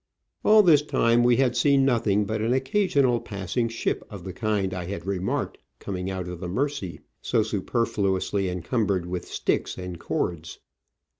All this time we had seen nothing but an occasional passing ship of the kind I had remarked coming out of the Mersey, so superfluously encumbered with sticks and cords.